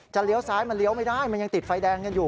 เลี้ยวซ้ายมันเลี้ยวไม่ได้มันยังติดไฟแดงกันอยู่